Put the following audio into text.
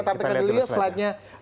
tampilkan dulu slide nya